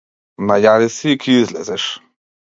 Најади се и ќе излезеш.